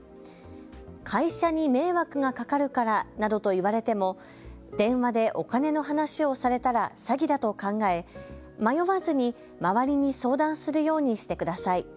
会社に迷惑がかかるからなどと言われても電話でお金の話をされたら詐欺だと考え迷わずに周りに相談するようにしてください。